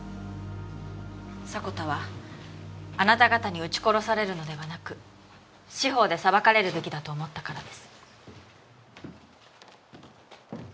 迫田はあなた方に撃ち殺されるのではなく司法で裁かれるべきだと思ったからです。